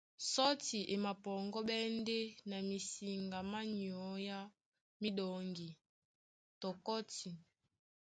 Sɔ́ti e mapɔŋgɔ́ɓɛ́ ndé na misiŋga má nyɔ́ á míɗɔŋgi tɔ kɔ́tin.